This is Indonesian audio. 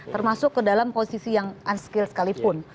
termasuk ke dalam posisi yang unskill sekalipun